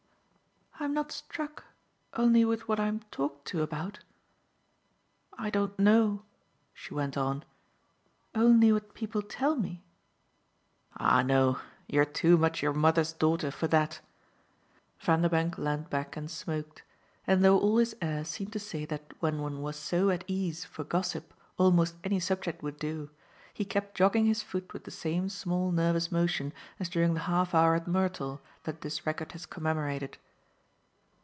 "I'm not struck only with what I'm talked to about. I don't know," she went on, "only what people tell me." "Ah no you're too much your mother's daughter for that!" Vanderbank leaned back and smoked, and though all his air seemed to say that when one was so at ease for gossip almost any subject would do, he kept jogging his foot with the same small nervous motion as during the half hour at Mertle that this record has commemorated.